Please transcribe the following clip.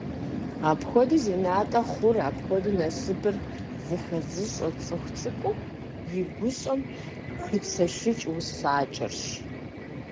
Апхуэдэр зи натӀэ хъур, апхуэдэ насыпыр зыхэзыщӀэр цӀыху цӀыкӀум и гущӀэм къипсэлъыкӀ усакӀуэрщ.